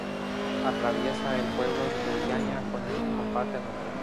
Atraviesa el pueblo de Viaña, con el que comparte nombre.